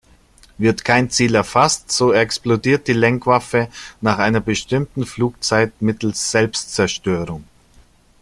Wird kein Ziel erfasst, so explodiert die Lenkwaffe nach einer bestimmten Flugzeit mittels Selbstzerstörung.